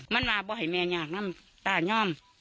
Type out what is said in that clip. มันอ่าบอกให้แม่งอยากมานำตายอ้อม